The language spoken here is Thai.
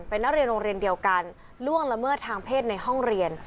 เป็นนักเรียนโรงเรียนเดียวกันล่วงละเมิดทางเพศในห้องเรียน